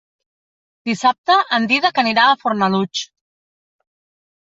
Dissabte en Dídac anirà a Fornalutx.